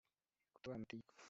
Kutubaha amategeko